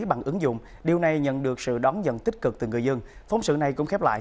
bằng ứng dụng điều này nhận được sự đón nhận tích cực từ người dân phóng sự này cũng khép lại